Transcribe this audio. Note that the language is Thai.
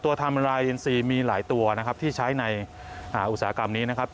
ทำลายอินซีมีหลายตัวนะครับที่ใช้ในอุตสาหกรรมนี้นะครับ